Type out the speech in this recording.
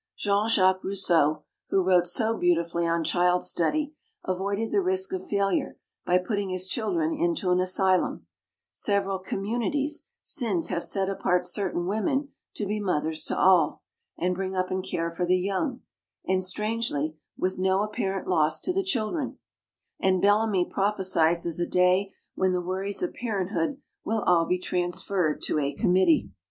Jean Jacques Rousseau, who wrote so beautifully on child study, avoided the risk of failure by putting his children into an asylum; several "Communities" since have set apart certain women to be mothers to all, and bring up and care for the young, and strangely, with no apparent loss to the children; and Bellamy prophesies a day when the worries of parenthood will all be transferred to a "committee."